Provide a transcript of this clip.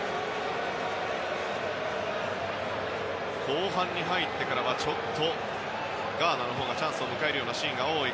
後半に入ってからはちょっとガーナのほうがチャンスを迎えるシーンが多い。